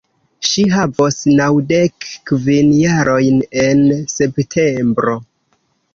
Ŝi havos naŭdek kvin jarojn en septembro.